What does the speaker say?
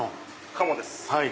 鴨です